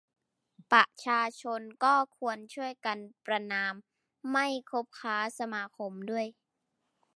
ประชาชนก็ควรช่วยกันประณาม ไม่คบค้าสมาคมด้วย